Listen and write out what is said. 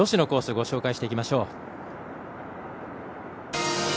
ご紹介していきましょう。